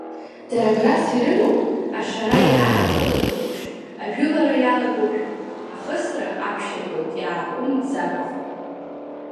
Дара грас ирымоуп, ашара иааҵалоны еиԥш, ажәылара иалагошәа, ахысра аԥшьыргоит иааҟәымҵӡакәа.